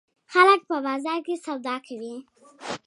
خلک په بازار کې سودا کوي.